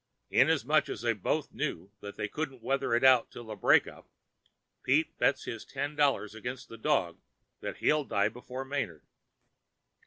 Inasmuch as they both knew that they can't weather it out till the break up, Pete bets his ten dollars against the dog that he'll die before Manard.